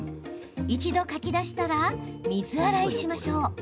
一度かき出したら水洗いしましょう。